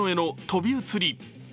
飛び移り。